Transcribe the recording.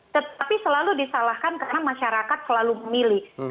tetapi selalu disalahkan karena masyarakat selalu memilih